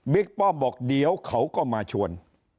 ป้อมบอกเดี๋ยวเขาก็มาชวน